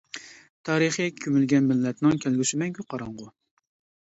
تارىخى كۆمۈلگەن مىللەتنىڭ كەلگۈسى مەڭگۈ قاراڭغۇ.